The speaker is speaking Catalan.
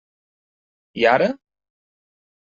I ara?